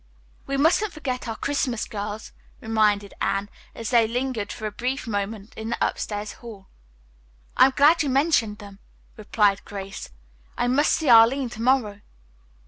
"We mustn't forget our Christmas girls," reminded Anne, as they lingered for a brief moment in the upstairs hall. "I am glad you mentioned them," replied Grace. "I must see Arline to morrow."